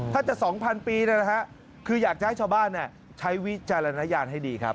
ถ้าจะ๒๐๐ปีคืออยากจะให้ชาวบ้านใช้วิจารณญาณให้ดีครับ